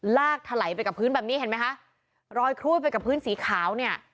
ลากถลายไปกับพื้นแบบนี้เห็นไหมคะรอยครูดไปกับพื้นสีขาวเนี่ย